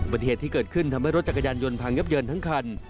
เหตุที่เกิดขึ้นทำให้รถจักรยานยนต์พังยับเยินทั้งคัน